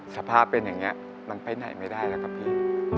สภาพเป็นอย่างนี้มันไปไหนไม่ได้แล้วครับพี่